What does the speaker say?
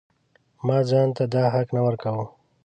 ما ځان ته دا حق نه ورکاوه.